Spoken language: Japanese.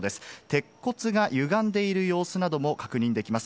鉄骨がゆがんでいる様子なども確認できます。